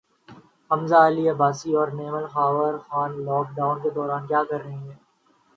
حمزہ علی عباسی اور Naimal Khawar Khan lockdown کے دوران کیا کررہے ہیں